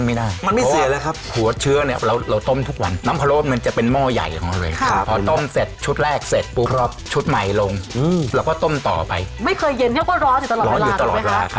ไม่เคยเย็นนี่ก็ร้อนอยู่ตลอดเวลาแล้วไงครับ